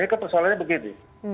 ini persoalannya begini